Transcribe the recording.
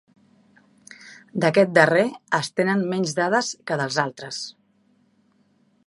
D'aquest darrer es tenen menys dades que dels altres.